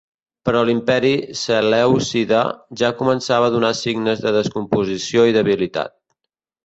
Però l'imperi selèucida ja començava a donar signes de descomposició i debilitat.